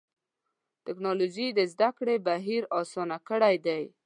ټکنالوجي د زدهکړې بهیر آسانه کړی دی.